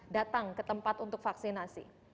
datang ke tempat untuk vaksinasi